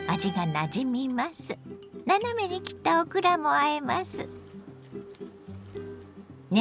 斜めに切ったオクラもあえます。